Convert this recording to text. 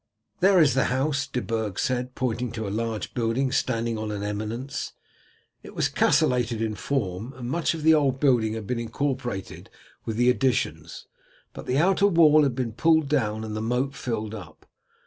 "There is the house," De Burg said, pointing to a large building standing on an eminence. It was castellated in form, and much of the old building had been incorporated with the additions, but the outer wall had been pulled down and the moat filled up.